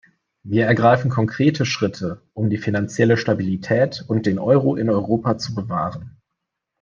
Wir ergreifen konkrete Schritte, um die finanzielle Stabilität und den Euro in Europa zu bewahren.